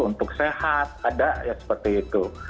untuk sehat ada ya seperti itu